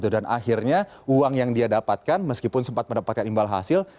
dan akhirnya uang yang dia dapatkan meskipun sempat mendapatkan imbal hasil